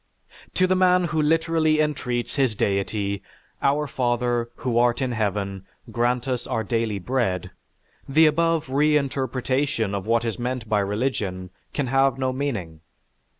"_) To the man who literally entreats his deity, "Our Father, who art in Heaven, grant us our daily bread," the above reinterpretation of what is meant by religion can have no meaning.